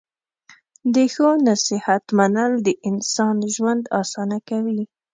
د ښو نصیحت منل د انسان ژوند اسانه کوي.